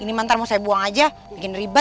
ini mantar mau saya buang aja bikin ribet